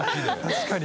確かに。